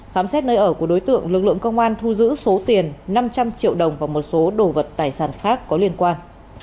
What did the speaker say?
khám xét nơi ở của đối tượng lực lượng công an thu giữ số tiền năm trăm linh triệu đồng và một số đồ vật tài sản khác có liên quan